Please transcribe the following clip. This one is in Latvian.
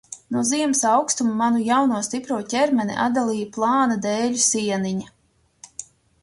No ziemas aukstuma manu jauno, stipro ķermeni atdalīja plāna dēļu sieniņa.